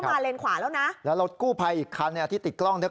ก็มาเลนขวาแล้วนะแล้วรถกู้ไพอีกครั้งเนี่ยที่ติดกล้องเนี่ย